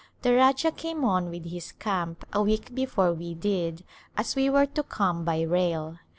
The Rajah came on with his camp a week before we did as we were to come by rail.